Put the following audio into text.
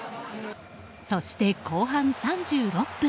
そして後半３６分。